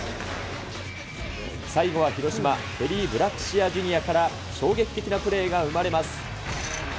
最後は広島、ケリー・ブラックシアー・ジュニアから、衝撃的なプレーが生まれます。